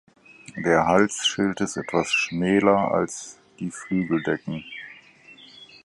Der Halsschild ist etwas schmäler als die Flügeldecken.